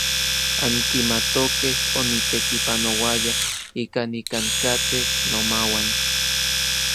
Ankimatokej onitekipanouaya ika nikankatej nomauan.